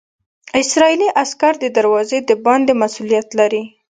اسرائیلي عسکر د دروازې د باندې مسوولیت لري.